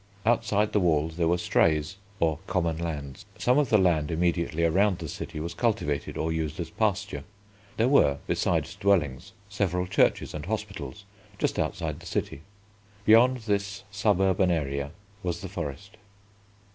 Outside the walls there were strays, or common lands. Some of the land immediately around the city was cultivated or used as pasture. There were, besides dwellings, several churches and hospitals, just outside the city. Beyond this suburban area was the forest.